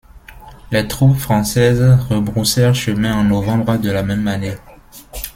Les troupes françaises rebroussèrent chemin en novembre de la même année.